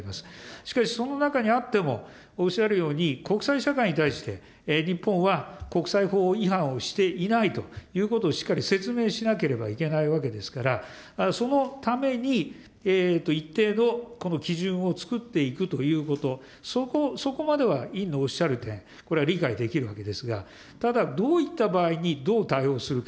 しかし、その中にあっても、おっしゃるように、国際社会に対して、日本は国際法違反をしていないということを、しっかりと説明しなければいけないわけですから、そのために一定の基準をつくっていくということ、そこまでは委員のおっしゃる点、これは理解できるわけですが、ただ、どういった場合にどう対応するか。